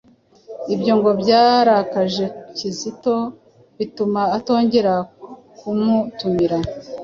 Ibyo ngo byarakaje Kizito bituma atongera kumutumira.